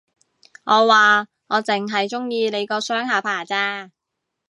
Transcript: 我話，我剩係鍾意你個雙下巴咋